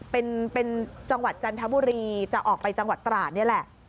เป็นจังหวัดจันทบุรีจะออกไปจังหวัดตราดนี่แหละ